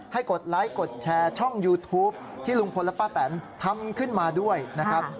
กดไลค์กดแชร์ช่องยูทูปที่ลุงพลและป้าแตนทำขึ้นมาด้วยนะครับ